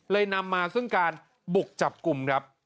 นำมาซึ่งการบุกจับกลุ่มครับ